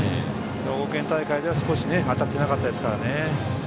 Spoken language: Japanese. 兵庫県大会では当たってなかったですからね。